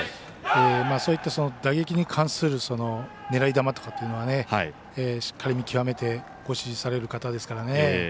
そういった打撃に関する狙い球とかっていうのはしっかり見極めて指示される方ですからね。